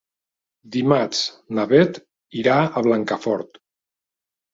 Dimarts na Beth irà a Blancafort.